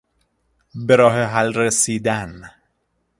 به راه حل رسیدن